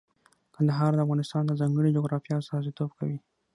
کندهار د افغانستان د ځانګړي جغرافیه استازیتوب کوي.